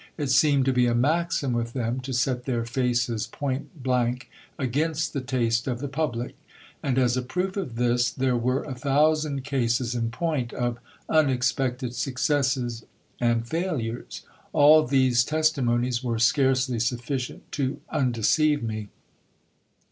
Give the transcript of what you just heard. It seemed to be a maxim with them, to set their faces point blank against the taste of the public ; and as a proof of this, there were a thousand cases in point of unexpected succcesses and failures. All these tes timonies were scarcely sufficient to undeceive me.